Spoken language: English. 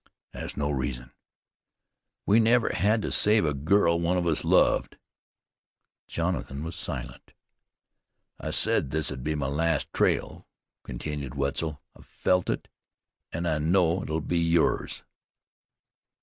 "That's no reason." "We never had to save a girl one of us loved." Jonathan was silent. "I said this'd be my last trail," continued Wetzel. "I felt it, an' I know it'll be yours."